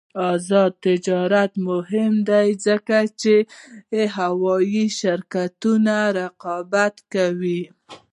آزاد تجارت مهم دی ځکه چې هوايي شرکتونه رقابت کوي.